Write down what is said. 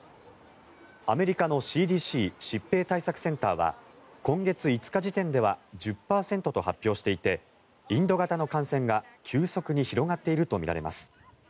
アメリカのＣＤＣ・疾病対策センターは今月５日時点では１０％と発表していてインド型の感染が急速に広がっているとみられます。